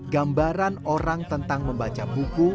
gambaran orang tentang membaca buku